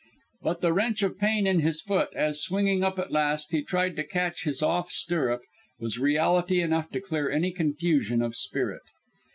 But the wrench of pain in his foot as, swinging up at last, he tried to catch his off stirrup was reality enough to clear any confusion of spirit.